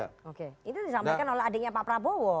itu disampaikan oleh adiknya pak prabowo